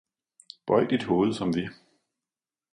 Bøj dit hoved, som vi!